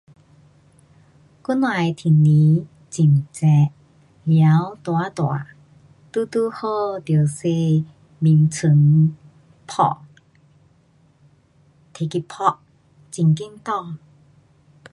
今天的天气很热，太阳大大。刚刚好得洗面床铺，提去嗮，很快干。